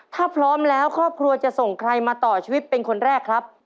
ถ้าพร้อมแล้วครอบครัวจะส่งใครมาต่อชีวิตเป็นคนแรกครับ